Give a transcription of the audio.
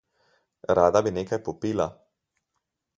Rada bi nekaj popila.